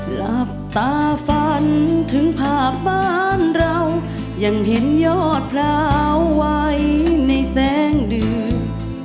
หลับตาฝันถึงภาพบ้านเรายังเห็นยอดพร้าวไว้ในแสงเดือน